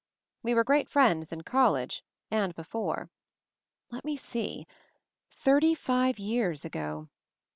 We were great friends in college, and before; let me see — thirty five years ago.